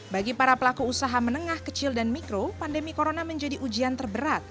bagi para pelaku usaha menengah kecil dan mikro pandemi corona menjadi ujian terberat